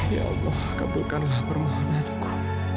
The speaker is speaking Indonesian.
ya allah kabulkanlah permohonanku